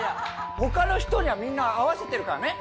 他の人にはみんな会わせてるからね。